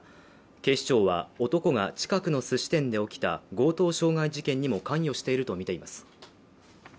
警視庁は、男が近くのすし店で起きた強盗傷害事件にも関与しているとみています。